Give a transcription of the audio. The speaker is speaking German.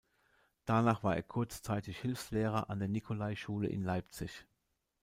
Danach war er kurzzeitig Hilfslehrer an der Nikolaischule in Leipzig.